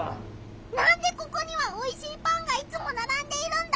なんでここにはおいしいパンがいつもならんでいるんだ？